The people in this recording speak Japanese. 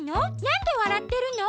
なんでわらってるの？